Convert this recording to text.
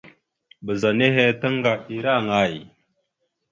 Ɓəza nehe taŋga ira aŋay?